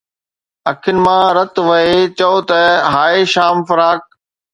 اکين مان رت وهي چئو ته ”هاءِ شام فراق